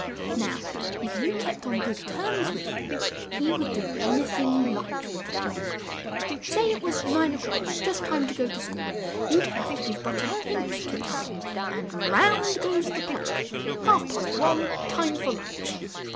Now if you kept on good terms with him, he would do an y thing you liked with the clock. Say it was nine o'clock, just time to go to school; you'd have but to give a hint to Time, and round goes the clock! Half past one, time for lunch."